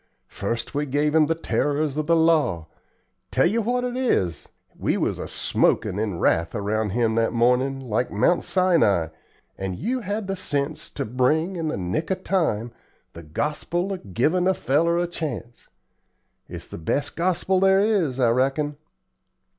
First we gave him the terrors of the law. Tell yer what it is, we was a smokin' in wrath around him that mornin', like Mount Sinai, and you had the sense to bring, in the nick of time, the gospel of givin' a feller a chance. It's the best gospel there is, I reckon."